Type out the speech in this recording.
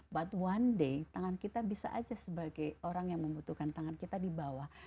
what one day tangan kita bisa aja sebagai orang yang membutuhkan tangan kita di bawah